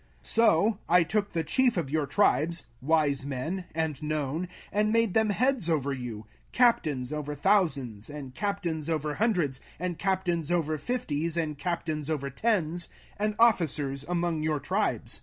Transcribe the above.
05:001:015 So I took the chief of your tribes, wise men, and known, and made them heads over you, captains over thousands, and captains over hundreds, and captains over fifties, and captains over tens, and officers among your tribes.